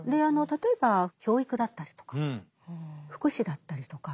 例えば教育だったりとか福祉だったりとか大きいところですね。